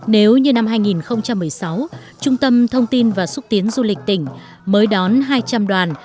nếu như năm hai nghìn một mươi sáu trung tâm thông tin và xúc tiến du lịch tỉnh mới đón hai trăm linh đoàn